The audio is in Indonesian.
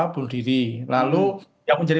bunuh diri lalu yang menjadi